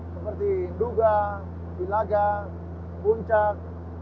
seperti nduga bilaga buncak